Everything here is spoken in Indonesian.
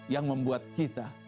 yang membuat kita